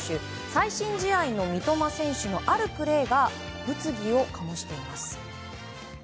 最新試合の三笘選手のあるプレーが物議を醸しています。